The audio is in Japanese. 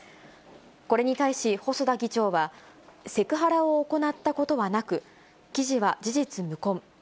これに対し細田議長は、セクハラを行ったことはなく、記事は事実無根。